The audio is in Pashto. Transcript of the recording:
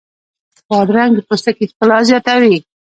بادرنګ د پوستکي ښکلا زیاتوي.